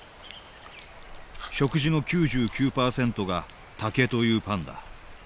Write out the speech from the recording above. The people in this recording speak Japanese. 食事の９９％が竹というパンダ。